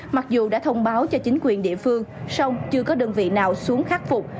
mặc dù đã thông báo cho chính quyền địa phương song chưa có đơn vị nào xuống khắc phục